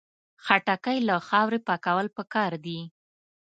خټکی له خاورې پاکول پکار دي.